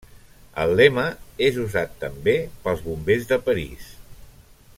El lema és usat també pels bombers de París.